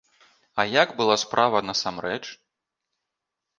А як была справа насамрэч?